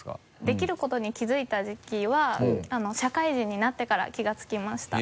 できることに気付いた時期は社会人になってから気が付きました。